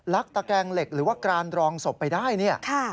ลักตะแก๊งเหล็กหรือว่ากรานรองศพไปได้